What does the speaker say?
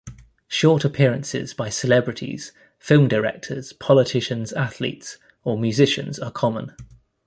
Short appearances by celebrities, film directors, politicians, athletes, or musicians are common.